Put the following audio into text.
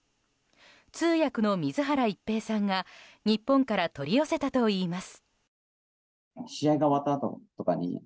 通訳の水原一平さんが日本から取り寄せたといいます。